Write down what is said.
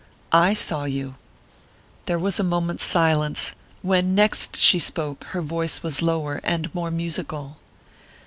"I saw you." There was a moment's silence; when next she spoke her voice was lower and more musical.